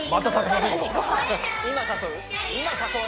今誘う？